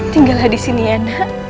tinggallah disini ya nak